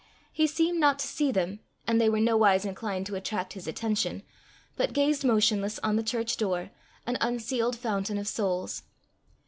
He seemed not to see them, and they were nowise inclined to attract his attention, but gazed motionless on the church door, an unsealed fountain of souls.